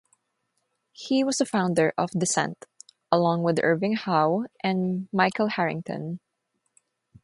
He was a founder of "Dissent", along with Irving Howe and Michael Harrington.